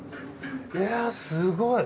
いやすごい！